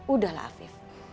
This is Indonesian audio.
udah lah afif